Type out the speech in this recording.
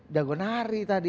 jago nari tadi